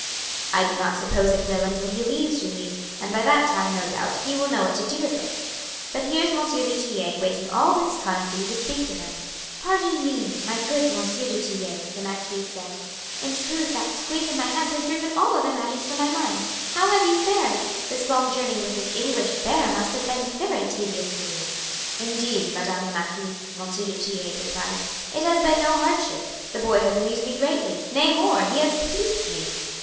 "I do not suppose it will until he leaves, Julie, and by that time, no doubt, he will know what to do with it; but here is M. du Tillet waiting all this time for you to speak to him." "Pardon me, my good M. du Tillet," the marquise said. "In truth that squeeze of my hand has driven all other matters from my mind. How have you fared? This long journey with this English bear must have been very tedious for you." "Indeed, Madame la Marquise," M. du Tillet replied, "it has been no hardship, the boy has amused me greatly; nay, more, he has pleased me.